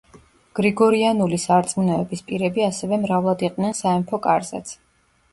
გრიგორიანული სარწმუნოების პირები ასევე მრავლად იყვნენ სამეფო კარზეც.